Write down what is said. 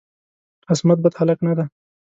عصمت بد هلک نه دی.